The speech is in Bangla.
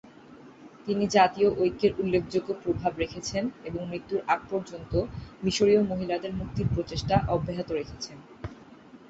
তিনি জাতীয় ঐক্যের উল্লেখযোগ্য প্রভাব রেখেছেন এবং মৃত্যুর আগ পর্যন্ত মিশরীয় মহিলাদের মুক্তির প্রচেষ্টা অব্যাহত রেখেছেন।